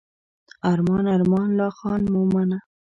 ارمان ارمان لا خان مومنه.